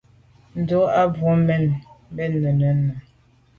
Ndù à ba mbwon mbèn mbe mènnenùne.